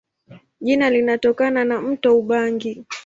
Jina linatokana na mto Ubangi.